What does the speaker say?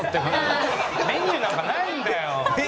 メニューなんかないんだよ！